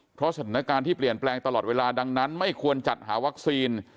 เพราะสถานการณ์ที่เปลี่ยนแปลงตลอดเวลาดังนั้นไม่ควรจัดหาวัคซีน